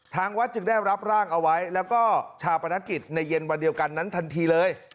ทางวัดจึงได้รับร่างเอาไว้แล้วก็ชาปนกิจในเย็นวันเดียวกันนั้นทันทีเลย